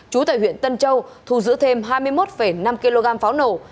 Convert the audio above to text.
chú tại huyện tân châu thu giữ thêm hai mươi một năm kg pháo nổ